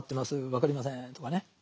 分かりませんとかね。